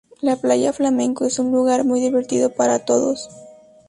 La Playa Flamenco es un lugar muy divertido para todos.